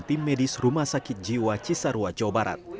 tim medis rumah sakit jiwa cisarua jawa barat